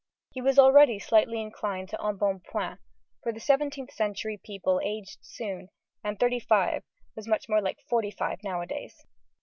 He was already slightly inclined to embonpoint: for in the seventeenth century people aged soon, and thirty five was much more like forty five nowadays.